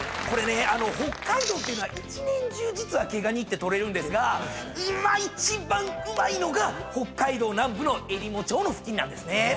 これね北海道ってのは一年中実は毛ガニってとれるんですが今一番うまいのが北海道南部のえりも町の付近なんですね。